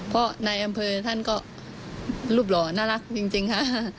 เพราะนายอำเภอท่านก็รูปหล่อน่ารักจริงค่ะ